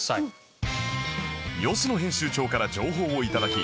吉野編集長から情報を頂き